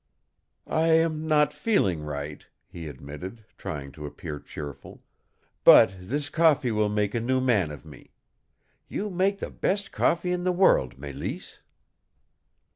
"I am not feeling right," he admitted, trying to appear cheerful, "but this coffee will make a new man of me. You make the best coffee in the world, Mélisse?"